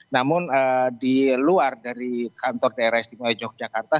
namun di luar dari kantor daerah istimewa yogyakarta